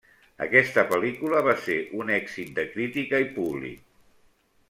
Aquesta pel·lícula va ser un èxit de crítica i públic.